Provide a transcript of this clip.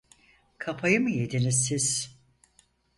Kafayı mı yediniz siz?